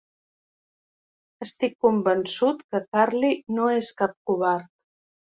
Estic convençut que Carley no és cap covard.